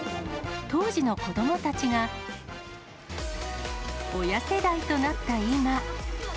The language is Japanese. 当時の子どもたちが、親世代となった今。